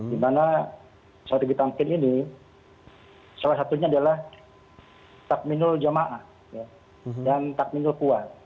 di mana strategi tamkin ini salah satunya adalah takminul jamaah dan takminul kuat